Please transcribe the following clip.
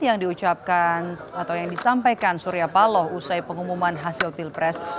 yang disampaikan surya paloh usai pengumuman hasil pilpres